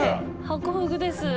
ハコフグです。